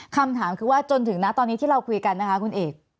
คำถามคือว่าจนถึงนะตอนนี้ที่เราคุยกันนะคะคุณเอก